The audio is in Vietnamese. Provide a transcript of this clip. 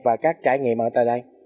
và các trải nghiệm ở tại đây